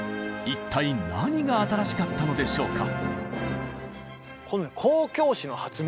一体何が新しかったのでしょうか？